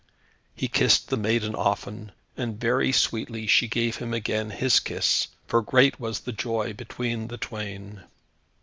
He kissed the maiden often, and very sweetly she gave him again his kiss, for great was the joy between the twain.